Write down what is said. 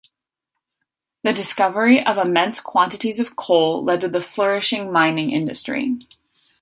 The discovery of immense quantities of coal led to the flourishing mining industry.